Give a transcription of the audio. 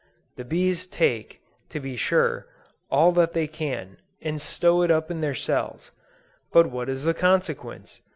The bees take, to be sure, all that they can, and stow it up in their cells, but what is the consequence?